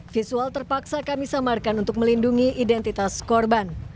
visual terpaksa kami samarkan untuk melindungi identitas korban